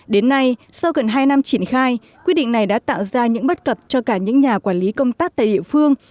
đến nay sau gần hai năm triển khai quyết định này đã tạo ra những bất cập cho cả những nhà quản lý công tác tại địa phương